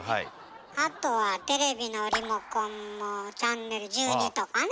あとはテレビのリモコンもチャンネル１２とかね。